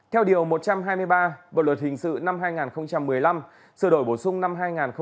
theo điều một trăm hai mươi ba bộ luật hình sự năm hai nghìn một mươi năm sửa đổi bổ sung năm hai nghìn một mươi bảy